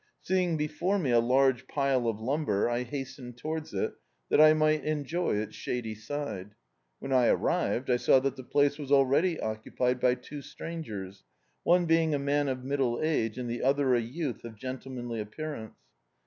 Seeing before me a large pile of lumber, I hastened towards it, that I might enjoy its shady side. When I arrived I saw that the place was already occupied by two strangers, one being a man of middle age, and the other a youth of gentlemanly appearance.